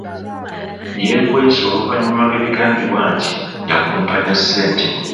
Yeekwese oluvannyuma lw'ebigambibwa nti yakumpanya ssente.